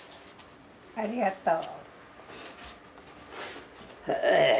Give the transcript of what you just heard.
ありがとう。